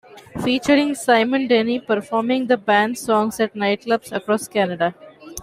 Featuring Simone Denny, performing the band's songs at nightclubs across Canada.